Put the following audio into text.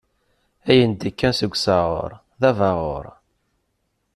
Ayen d-ikkan seg usaɣuṛ d abaɣuṛ.